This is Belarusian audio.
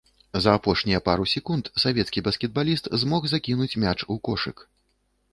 За апошнія пару секунд савецкі баскетбаліст змог закінуць мяч у кошык.